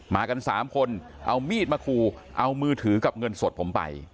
มากัน๓คนเอามีดมาคูเอามือถือกับเงินสดผมไป